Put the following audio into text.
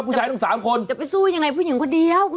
ผู้ชายทั้ง๓คนจะไปสู้ยังไงผู้หญิงคนเดียว